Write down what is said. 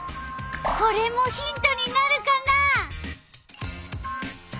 これもヒントになるかな？